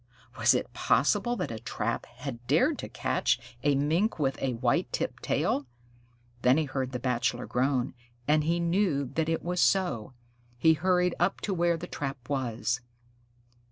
Was it possible that a trap had dared to catch a Mink with a white tipped tail? Then he heard the Bachelor groan, and he knew that it was so. He hurried up to where the trap was.